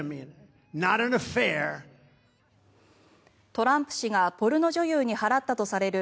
トランプ氏がポルノ女優に払ったとされる